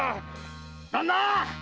旦那！